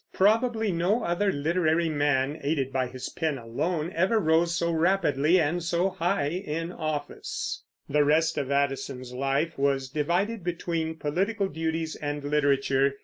Probably no other literary man, aided by his pen alone, ever rose so rapidly and so high in office. The rest of Addison's life was divided between political duties and literature.